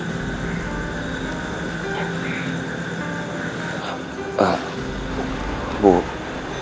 seperti ibu juga bangga dengan kamu sekarang ini